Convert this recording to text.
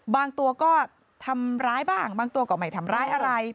บางตัวก็ทำร้ายบ้างบางตัวก็ไม่ทำร้ายอะไร